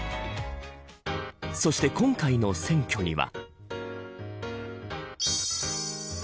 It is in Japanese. そして今回の選挙には。